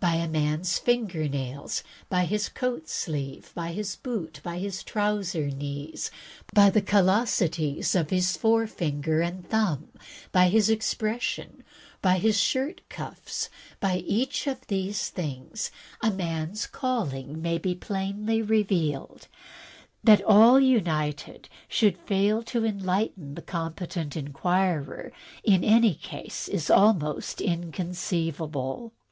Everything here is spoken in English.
By a man's finger nails, by his coat sleeve, by his boot, by his trouser knees, by the callosities of his forefinger and thumb, by his expression, by his shirt cuffs — ^by each of these things a man's calling is plainly revealed. That all united should fail to enlighten the comp)etent inquirer in any case is almost inconceivable."